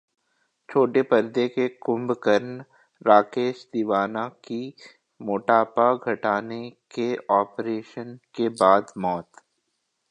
छोटे पर्दे के 'कुंभकर्ण' राकेश दीवाना की मोटापा घटाने के ऑपरेशन के बाद मौत